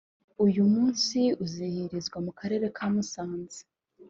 uyu munsi uzizihirizwa mu Karere ka Musanze